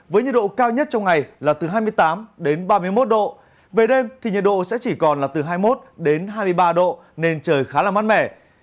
với nhiệt độ cao nhất trong ngày là từ hai mươi tám đến ba mươi một độ về đêm thì nhiệt độ sẽ chỉ còn là từ hai mươi một đến hai mươi ba độ nên trời khá là mát mẻ